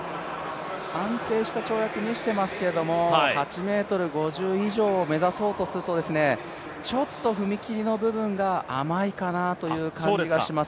安定した跳躍見せてますけど８ｍ５０以上目指そうとするとちょっと踏み切りの部分が甘いかなという感じがします。